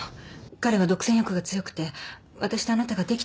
彼は独占欲が強くて私とあなたができてると思ってるの。